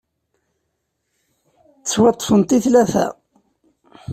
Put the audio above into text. Ttwaṭṭfent i tlata.